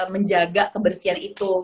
menjaga kebersihan itu